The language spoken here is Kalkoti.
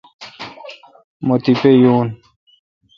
مہ تیپہ یون۔